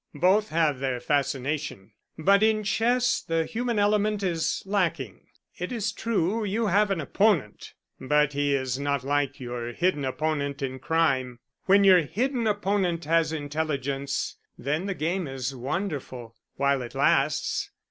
Both have their fascination, but in chess the human element is lacking. It is true you have an opponent, but he is not like your hidden opponent in crime. When your hidden opponent has intelligence, then the game is wonderful while it lasts.